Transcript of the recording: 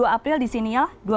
dua puluh dua april disini ya